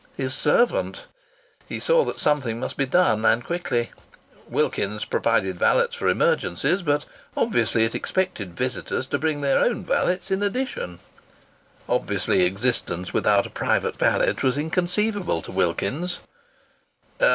"His servant!" He saw that something must be done, and quickly! Wilkins's provided valets for emergencies, but obviously it expected visitors to bring their own valets in addition. Obviously existence without a private valet was inconceivable to Wilkins's.